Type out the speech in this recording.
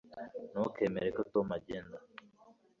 ntukemere ko tom agenda